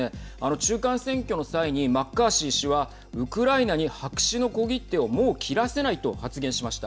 中間選挙の際にマッカーシー氏はウクライナに白紙の小切手をもう切らせないと発言しました。